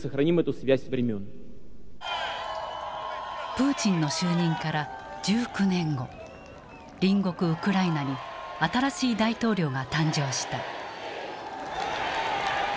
プーチンの就任から１９年後隣国ウクライナに新しい大統領が誕生した。